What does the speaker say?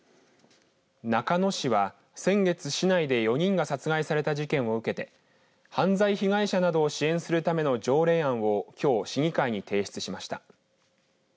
中野市は先月市内で４人が殺害された事件を受けて犯罪被害者などを支援するための条例案をきょう市議会に提出しました。